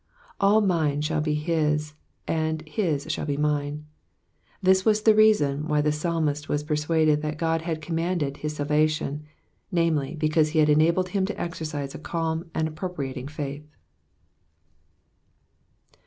All mine shall be his, all his shall be mine. This was the reason why the psalmist was persuaded that God had commanded his salvation, namely, because he had enabled him to exercise a calm and appropriating faith.